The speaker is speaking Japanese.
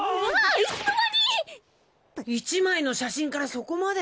１枚の写真からそこまで。